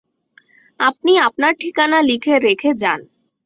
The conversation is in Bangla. আপনি আপনার ঠিকানা লিখে রেখে যান।